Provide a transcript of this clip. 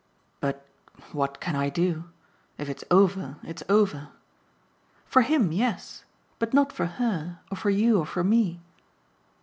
"But what can I do? If it's over it's over." "For HIM, yes. But not for her or for you or for me."